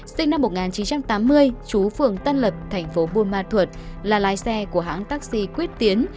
sinh năm một nghìn chín trăm tám mươi chú phường tân lập thành phố buôn ma thuật là lái xe của hãng taxi quyết tiến